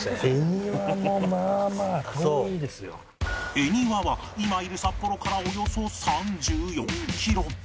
恵庭は今いる札幌からおよそ３４キロ